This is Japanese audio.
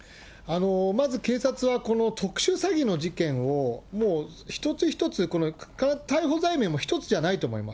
まず警察は特殊詐欺の事件を、もう一つ一つ、逮捕罪名も１つじゃないと思います。